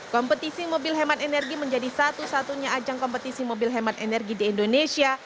kompetisi mobil hemat energi menjadi satu satunya ajang kompetisi mobil hemat energi di indonesia